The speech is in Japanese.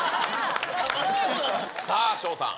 さあ、翔さん。